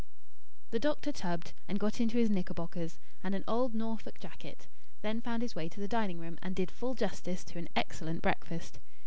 The doctor tubbed and got into his knickerbockers and an old Norfolk jacket; then found his way to the dining room, and did full justice to an excellent breakfast.